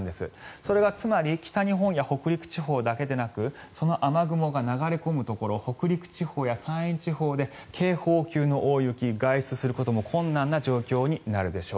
それがつまり北日本や北陸地方だけでなくその雨雲が流れ込むところで北陸地方や山陰地方で警報級の大雪外出することも困難な状況になるでしょう。